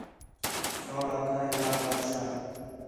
سوڑ آکھا ہِے لال بادشاہ